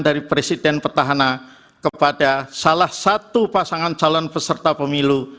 dari presiden petahana kepada salah satu pasangan calon peserta pemilu